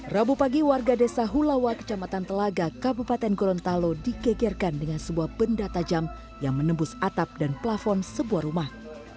rabu pagi warga desa hulawa kecamatan telaga kabupaten gorontalo dikegerkan dengan sebuah benda tajam yang menembus atap dan plafon sebuah rumah